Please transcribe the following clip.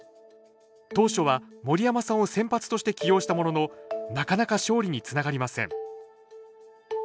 当初は森山さんを先発として起用したもののなかなか勝利につながりません